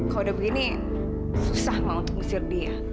kalau udah begini susah mah untuk ngusir dia